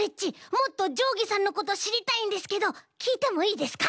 もっとじょうぎさんのことしりたいんですけどきいてもいいですか？